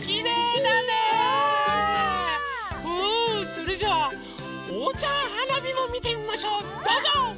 それじゃおうちゃんはなびもみてみましょうどうぞ！